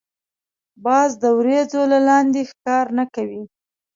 باز د وریځو له لاندی ښکار نه کوي